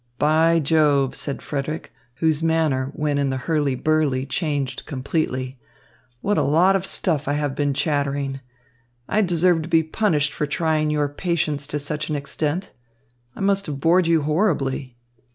"By Jove," said Frederick, whose manner when in the hurly burly changed completely, "what a lot of stuff I have been chattering! I deserve to be punished for trying your patience to such an extent. I must have bored you horribly."